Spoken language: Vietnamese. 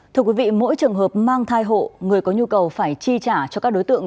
thưa quý vị mỗi trường hợp mang thai hộ người có nhu cầu phải chi trả cho các đối tượng